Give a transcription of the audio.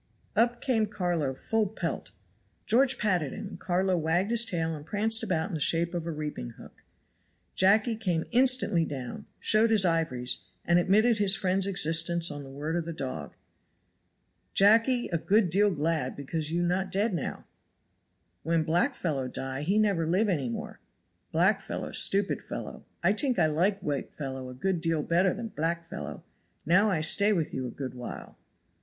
Up came Carlo full pelt. George patted him, and Carlo wagged his tail and pranced about in the shape of a reaping hook. Jacky came instantly down, showed his ivories, and admitted his friend's existence on the word of the dog. "Jacky a good deal glad because you not dead now. When black fellow die he never live any more. Black fellow stupid fellow. I tink I like white fellow a good deal bigger than black fellow. Now I stay with you a good while."